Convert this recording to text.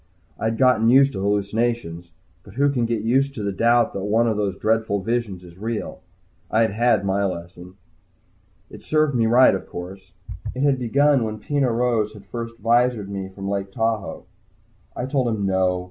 I'd gotten used to hallucinations but who can get used to the doubt that one of those dreadful visions is real? I'd had my lesson. It served me right, of course. It had begun when Peno Rose had first visored me from Lake Tahoe. I had told him "No."